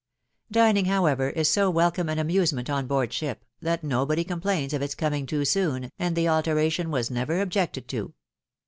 Dining, however, is so welcome an amusement on board ship, that nobody complains of its coming too soon, and the alteration was never objected to.